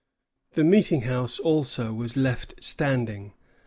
The meeting house also was left standing.